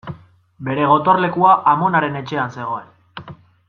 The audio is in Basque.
Bere gotorlekua amonaren etxean zegoen.